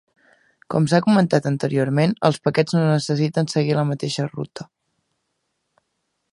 Com s'ha comentat anteriorment, els paquets no necessiten seguir la mateixa ruta.